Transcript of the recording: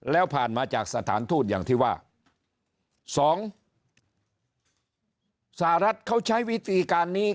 แล้วผ่านมาจากสถานทูตอย่างที่ว่าสองสหรัฐเขาใช้วิธีการนี้